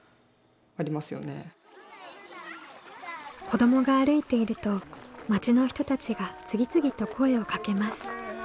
子どもが歩いていると町の人たちが次々と声をかけます。